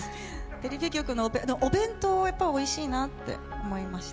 テレビ局の、お弁当、やっぱりおいしいなって思いました。